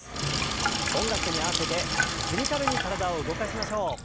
音楽に合わせてリズミカルに体を動かしましょう。